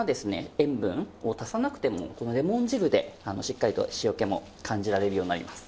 塩分を足さなくてもこのレモン汁でしっかりと塩気も感じられるようになります。